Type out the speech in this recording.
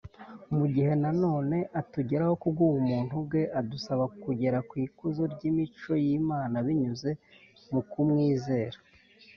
mu gihe na none atugeraho kubw’ubumuntu bwe adusaba kugera ku ikuzo ry’imico y’imana binyuze mu kumwizera